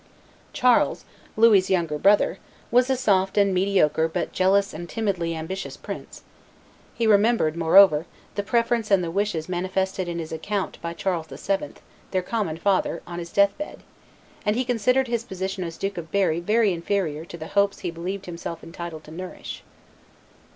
Charles, Louis's younger brother, was a soft and mediocre but jealous and timidly ambitious prince; he remembered, moreover, the preference and the wishes manifested on his account by Charles VII., their common father, on his death bed, and he considered his position as Duke of Berry very inferior to the hopes he believed himself entitled to nourish.